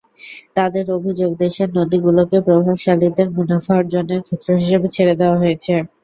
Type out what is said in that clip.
তাঁদের অভিযোগ, দেশের নদীগুলোকে প্রভাবশালীদের মুনাফা অর্জনের ক্ষেত্র হিসেবে ছেড়ে দেওয়া হয়েছে।